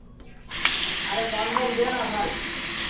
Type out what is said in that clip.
আরে কনডম দে না, ভাই!